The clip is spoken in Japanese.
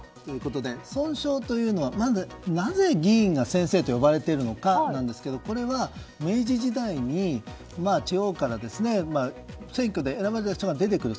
尊称というのはなぜ議員が先生と呼ばれているのかですが明治時代に地方から選挙で選ばれた人が出てくる。